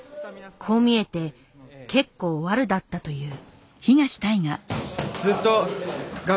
こう見えて結構ワルだったという。